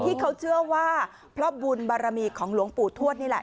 ที่เขาเชื่อว่าเพราะบุญบารมีของหลวงปู่ทวดนี่แหละ